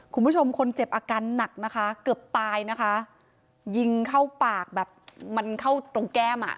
คุณผู้ชมคนเจ็บอาการหนักนะคะเกือบตายนะคะยิงเข้าปากแบบมันเข้าตรงแก้มอ่ะ